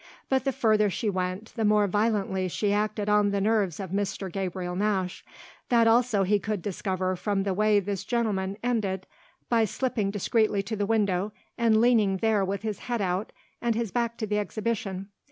But the further she went the more violently she acted on the nerves of Mr. Gabriel Nash: that also he could discover from the way this gentleman ended by slipping discreetly to the window and leaning there with his head out and his back to the exhibition.